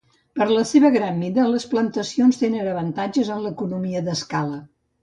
Per la seva gran mida les plantacions tenen avantatges en l'economia d'escala.